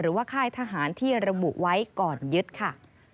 ค่ายทหารที่ระบุไว้ก่อนยึดค่ะ